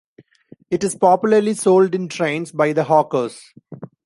It is popularly sold in trains by the hawkers.